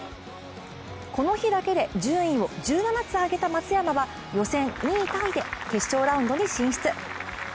この日だけで順位を１７つ上げた松山は、予選２位タイで決勝ラウンドに進出